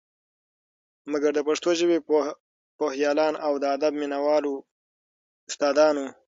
مګر د پښتو ژبې پوهیالان او د ادب مینه والو استا دانو